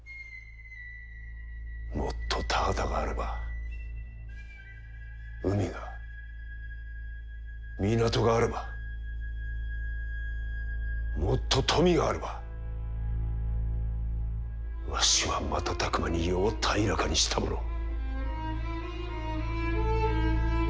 もっと田畑があれば海が港があればもっと富があればわしは瞬く間に世を平らかにしたものを。